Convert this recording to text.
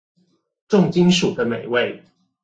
重金屬的美味